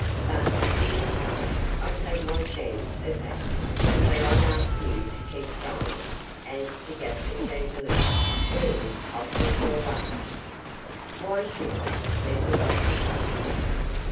Be it so. I take my chance of that; but I ask you to keep silent as to Gaston Vandeloup being Octave Braulard.' 'Why should I?' said the doctor, harshly.